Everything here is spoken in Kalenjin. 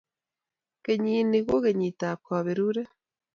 Kenyini ko kenyitab kaberure